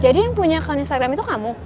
jadi yang punya kan instagram itu kamu